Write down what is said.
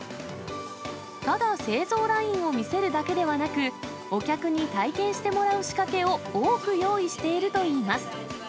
ただ製造ラインを見せるだけではなく、お客に体験してもらう仕掛けを多く用意しているといいます。